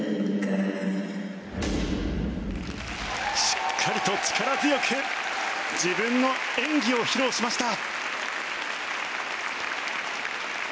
しっかりと力強く自分の演技を披露しました。